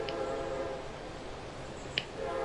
دوی د کرنې ښه سیستم درلود